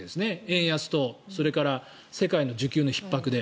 円安とそれから世界の需給のひっ迫で。